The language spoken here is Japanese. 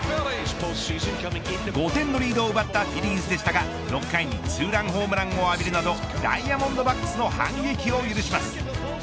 ５点のリードを奪ったフィリーズでしたが６回にツーランホームランを浴びるなどダイヤモンドバックスの反撃を許します。